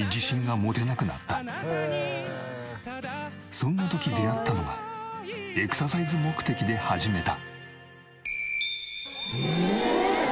そんな時出会ったのがエクササイズ目的で始めた。